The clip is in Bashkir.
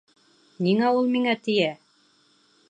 Ниңә ул миңә тейә?